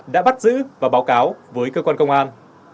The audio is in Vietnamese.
đã bắt giữ và báo cáo với cơ quan công an